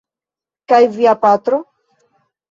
Kaj via patro?